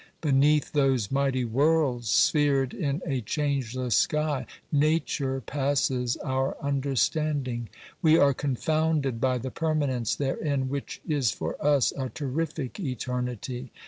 Beneath those mighty worlds sphered in a change less sky, Nature passes our understanding. We are confounded by the permanence therein, which is for us a terrific eternity.